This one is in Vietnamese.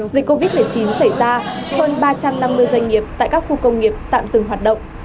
dịch covid một mươi chín xảy ra hơn ba trăm năm mươi doanh nghiệp tại các khu công nghiệp tạm dừng hoạt động